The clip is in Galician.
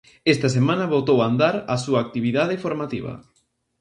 Esta semana botou a andar a súa actividade formativa.